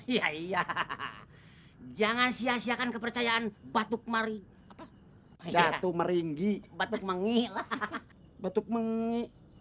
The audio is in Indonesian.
iya hahaha jangan sia siakan kepercayaan batuk mari jatuh maringgi batuk menggila batuk menggila